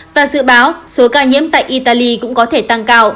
và dự báo số ca nhiễm tại italy cũng có thể tăng cao